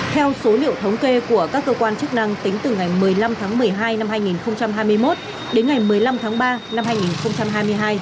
theo số liệu thống kê của các cơ quan chức năng tính từ ngày một mươi năm tháng một mươi hai năm hai nghìn hai mươi một đến ngày một mươi năm tháng ba năm hai nghìn hai mươi hai